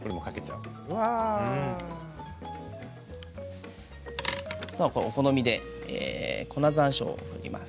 あとはお好みで粉さんしょうを振ります。